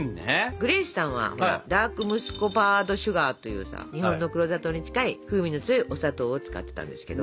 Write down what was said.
グレースさんはほらダークムスコバードシュガーというさ日本の黒砂糖に近い風味の強いお砂糖を使ってたんですけど。